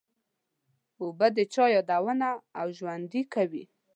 اوبه د چا یادونه را ژوندي کوي.